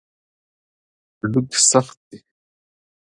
هډوکي سخت دي.